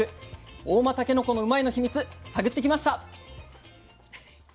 合馬たけのこのうまいッ！のヒミツ探ってきました。